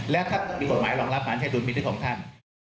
แล้วถ้ามีกฎหมายรองรับมันใช้ดุลพินิษฐ์ของท่าน